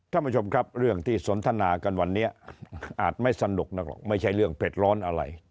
ท่านผู้ชมครับเรื่องที่สนทนากันวันนี้อาจไม่สนุกนักหรอกไม่ใช่เรื่องเผ็ดร้อนอะไร